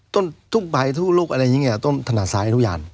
ทุกใบพี่ถนัดซ้ายทุกอย่าง